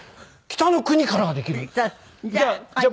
『北の国から』ができるんです。